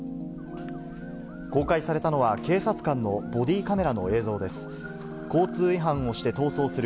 公開されたのは、警察官のボディカメラの映像です。